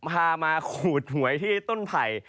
พามาขูดหวยที่ต้นไผ่